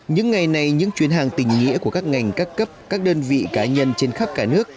những ngày này những chuyến hàng tình nghĩa của các ngành các cấp các đơn vị cá nhân trên khắp cả nước